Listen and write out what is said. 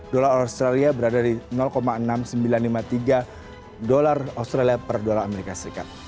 dolar australia berada di enam ribu sembilan ratus lima puluh tiga dolar per dolar as